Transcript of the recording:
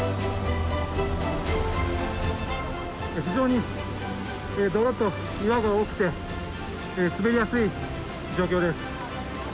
非常に泥と岩が多くて滑りやすい状況です。